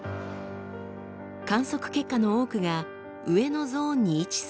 観測結果の多くが上のゾーンに位置する